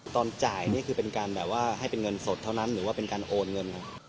ตอนจ่ายนี่คือเป็นการแบบว่าให้เป็นเงินสดเท่านั้นหรือว่าเป็นการโอนเงินครับ